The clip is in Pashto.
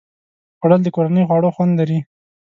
خوړل د کورني خواړو خوند لري